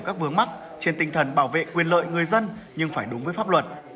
các vướng mắt trên tinh thần bảo vệ quyền lợi người dân nhưng phải đúng với pháp luật